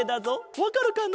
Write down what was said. わかるかな？